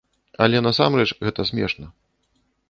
Але насамрэч гэта смешна.